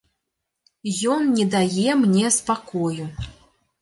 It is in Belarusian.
Ён не дае мне спакою.